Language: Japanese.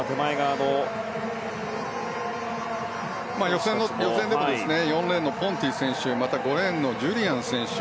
予選でも４レーンのポンティ選手また５レーンのジュリアン選手